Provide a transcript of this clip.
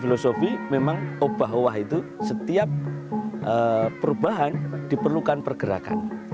filosofi memang obah obah itu setiap perubahan diperlukan pergerakan